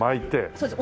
そうです